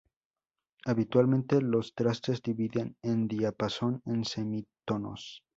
Habitualmente los trastes dividen el diapasón en semitonos.